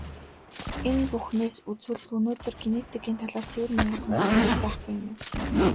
Энэ бүхнээс үзвэл, өнөөдөр генетикийн талаас ЦЭВЭР МОНГОЛ ҮНДЭСТЭН гэж байхгүй юм байна.